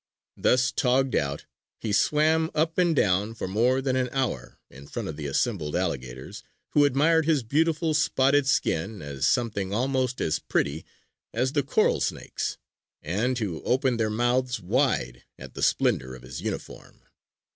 Thus togged out, he swam up and down for more than an hour in front of the assembled alligators, who admired his beautiful spotted skin as something almost as pretty as the coral snake's, and who opened their mouths wide at the splendor of his uniform.